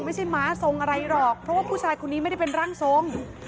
ไม่ใช่ม้าทรงอะไรหรอกเพราะว่าผู้ชายคนนี้ไม่ได้เป็นร่างทรง